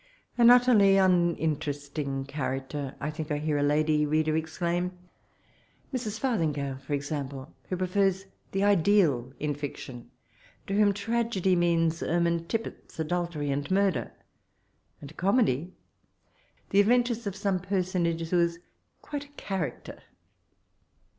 * An utterly uninteresiing character P I think I hear a lady reader exclaim— Mrs Farthincrale^ for example, who prefers the ideal in fiction; to whom tragedy means ermine tippets, adultery, and murder; and comedy, the adventures of some person age who is quite a * character.'